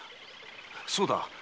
そうだ。